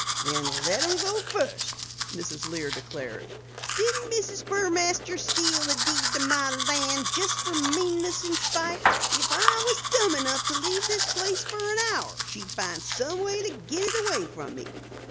"Then let 'em go fust," Mrs. Lear declared. "Didn't Mrs. Burmaster steal the deed to my land jest fer meanness and spite? If I was dumb enough to leave this place fer an hour she'd find some way to git it away from me."